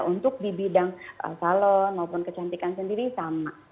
untuk di bidang salon maupun kecantikan sendiri sama